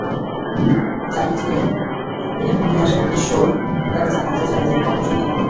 যারীদকে এখানে নিয়ে আসার উদ্দেশ্যও তাকে জানায় যে, যারীদের কন্যা সন্তান অনেক।